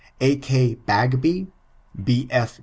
A. K. BAGBY, B. F.